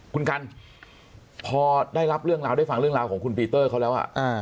คุณกันพอได้รับเรื่องราวได้ฟังเรื่องราวของคุณปีเตอร์เขาแล้ว